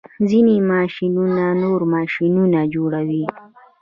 ځینې ماشینونه نور ماشینونه جوړوي.